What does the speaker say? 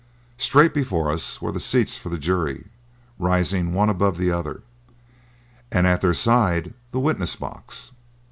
Straight before us were the seats for the jury, rising one above the other, and at their side the witness box.